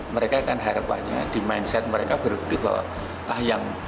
mereka kan harapannya di mindset mereka berarti bahwa